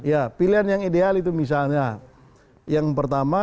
ya pilihan yang ideal itu misalnya